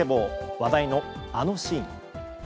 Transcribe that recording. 話題のあのシーン。